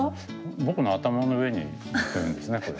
僕の頭の上に乗ってるんですねこれ。